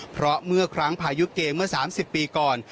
เพราะเมื่อครั้งพายุเกมเมื่อ๓๐ปีก่อน